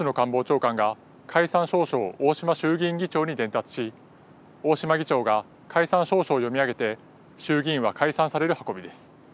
官房長官が解散詔書を大島衆議院議長に伝達し大島議長が解散詔書を読み上げて衆議院は解散される運びです。